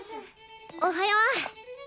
おはよう！